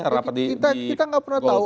kita gak pernah tahu